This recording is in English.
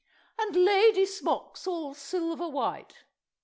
"And Ladysmocks all silver white."